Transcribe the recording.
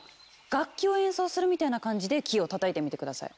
楽器を演奏するみたいな感じでキーを叩いてみて下さい。